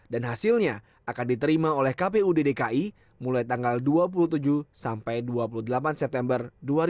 dan hasilnya akan diterima oleh kpu dki mulai tanggal dua puluh tujuh sampai dua puluh delapan september